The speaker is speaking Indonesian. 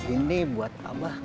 ini buat pak pak